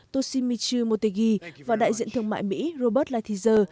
toshimitry motegi và đại diện thương mại mỹ robert lighthizer